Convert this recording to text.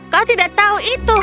kau tidak tahu itu